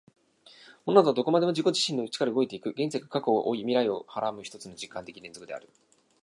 モナドはどこまでも自己自身の内から動いて行く、現在が過去を負い未来を孕はらむ一つの時間的連続である。